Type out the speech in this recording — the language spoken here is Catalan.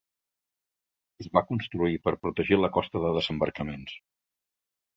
Es va construir per protegir la costa de desembarcaments.